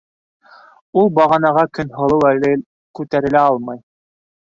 Ул бағанаға Көнһылыу әле күтәрелә алмай.